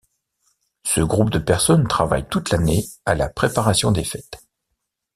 Ce groupe de personnes travaille toute l'année à la préparation des fêtes.